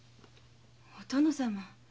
お殿様？